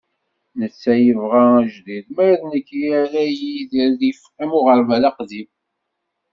Netta yebɣa ajdid, ma d nekk yerra-yi di rrif am uɣerbal aqdim.